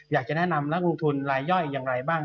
อยากจะแนะนำนักลงทุนลายย่อยอย่างไรบ้าง